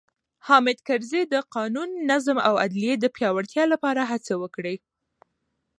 حامد کرزي د قانون، نظم او عدلیې د پیاوړتیا لپاره هڅې وکړې.